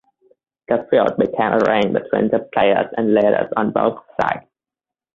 The field became a ring between the players and leaders on both sides.